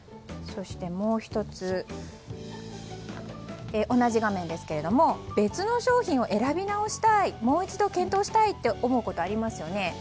そして、もう１つ同じ画面ですけれども別の商品を選びなおしたいもう一度検討したいと思うことありますよね。